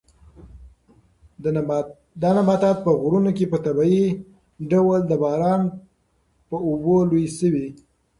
دا نباتات په غرونو کې په طبیعي ډول د باران په اوبو لوی شوي.